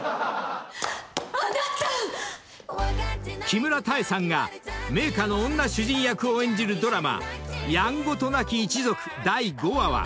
［木村多江さんが名家の女主人役を演じるドラマ『やんごとなき一族』第５話は明日夜１０時放送］